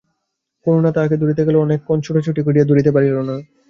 করুণা তাহাকে ধরিতে গেল, অনেক ক্ষণ ছুটাছুটি করিয়া ধরিতে পারিল না।